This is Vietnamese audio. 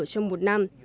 trong một năm